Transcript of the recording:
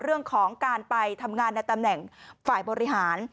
เรื่องของการไปทำงานในตำแหน่งฝ่ายบริหาร